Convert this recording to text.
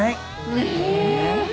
ねえ。